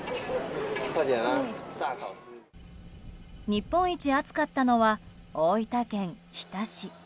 日本一暑かったのは大分県日田市。